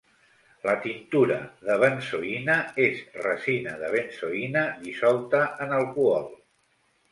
La tintura de benzoïna és resina de benzoïna dissolta en alcohol.